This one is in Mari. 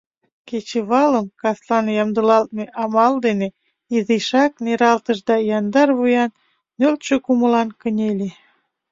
Кечывалым, каслан ямдылалтме амал дене, изишак нералтыш да яндар вуян, нӧлтшӧ кумылан кынеле.